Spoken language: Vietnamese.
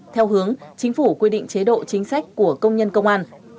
theo hướng chính phủ quy định chế độ chính sách của công nhân công an